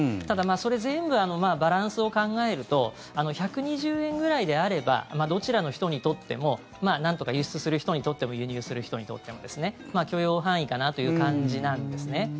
ただ、それを全部バランスを考えると１２０円ぐらいであればどちらの人にとってもなんとか輸出する人にとっても輸入する人にとってもですね許容範囲かなという感じなんですね。